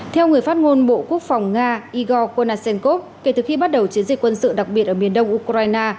theo người phát ngôn bộ quốc phòng nga igor konashenkov kể từ khi bắt đầu chiến dịch quân sự đặc biệt ở miền đông ukraine